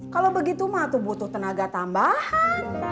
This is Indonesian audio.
kalau begitu mah aku butuh tenaga tambahan